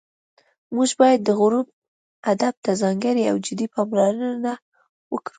موږ باید د غور ادب ته ځانګړې او جدي پاملرنه وکړو